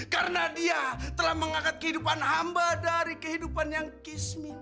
karena dia telah mengangkat kehidupan hamba dari kehidupan yang kismin